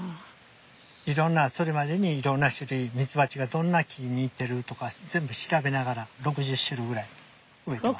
それまでにいろんな種類ミツバチがどんな木に行ってるとか全部調べながら６０種類ぐらい植えてます。